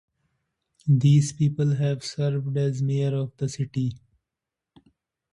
These people have served as mayor of the city.